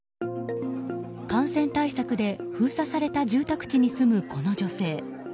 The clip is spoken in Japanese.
感染対策で封鎖された住宅地に住むこの女性。